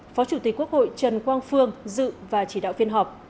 phó chủ tịch quốc hội trần quang phương dự và chỉ đạo phiên họp